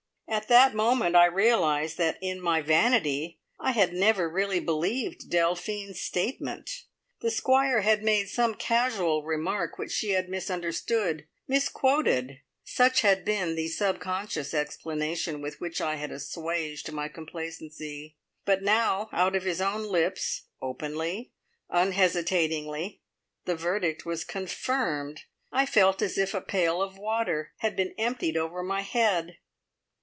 At that moment I realised that, in my vanity, I had never really believed Delphine's statement. The Squire had made some casual remark which she had misunderstood, misquoted such had been the subconscious explanation with which I had assuaged my complacency; but now out of his own lips, openly, unhesitatingly, the verdict was confirmed! I felt as if a pail of water had been emptied over my head.